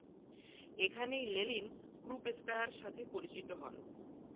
এখানেই লেনিন ক্রুপস্কায়া-র সাথে পরিচিত হন।